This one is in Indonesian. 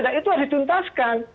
dan itu harus dituntaskan